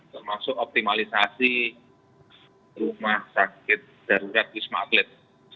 termasuk optimalisasi rumah sakit darurat ismaklet